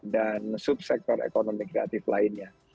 dan sub sektor ekonomi kreatif lainnya